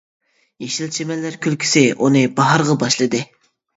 يېشىل چىمەنلەر كۈلكىسى، ئۇنى باھارغا باشلىدى.